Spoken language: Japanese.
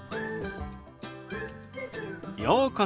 ようこそ。